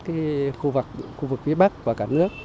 cái khu vực phía bắc và cả nước